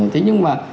thế nhưng mà